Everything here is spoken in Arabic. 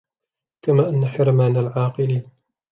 كَمَا أَنَّ حِرْمَانَ الْعَاقِلِ